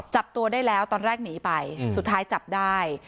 จับตัวได้แล้วตอนแรกหนีไปสุดท้ายจับได้